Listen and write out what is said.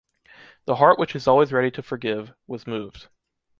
The heart which is always ready to forgive, was moved.